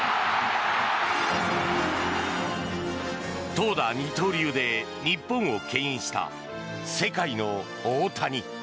投打二刀流で日本を牽引した世界の大谷。